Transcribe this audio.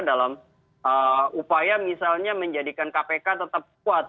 dalam upaya misalnya menjadikan kpk tetap kuat